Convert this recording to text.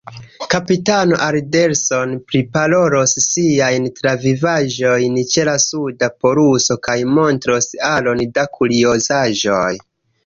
Kapitano Alderson priparolos siajn travivaĵojn ĉe la suda poluso kaj montros aron da kuriozaĵoj.